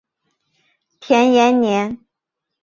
田延年。